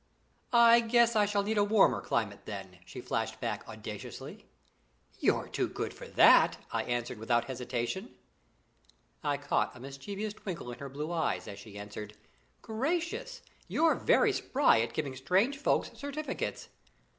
"I guess I shall need a warmer climate then!" she flashed back audaciously. "You're too good for that," I answered, without hesitation. I caught a mischievous twinkle in her blue eyes, as she answered: "Gracious! you're very spry at giving strange folks certificates."